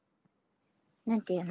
「何て言うの？」。